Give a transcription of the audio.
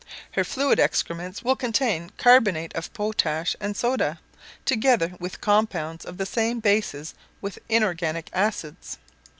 Her fluid excrements will contain carbonate of potash and soda, together with compounds of the same bases with inorganic acids.